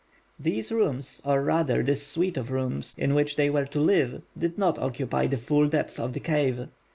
These rooms, or rather this suite of rooms, in which they were to live, did not occupy the full depth of the cave.